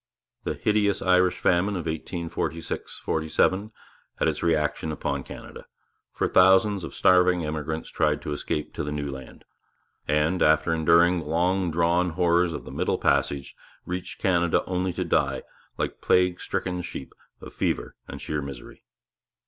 The hideous Irish famine of 1846 47 had its reaction upon Canada, for thousands of starving emigrants tried to escape to the new land, and, after enduring the long drawn horrors of the middle passage, reached Canada only to die like plague stricken sheep of fever and sheer misery.